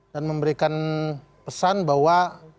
dan memberikan pesan bahwa